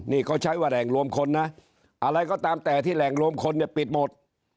นี่เขาใช้ว่าแหล่งรวมคนนะอะไรก็ตามแต่ที่แหล่งรวมคนเนี่ยปิดหมด